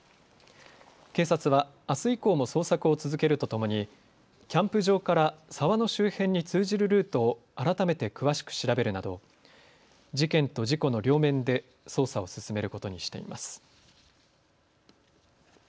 警察はあす以降も捜索を続けるとともにキャンプ場から沢の周辺に通じるルートを改めて詳しく調べるなど事件と事故の両面で捜査を進めることにしています。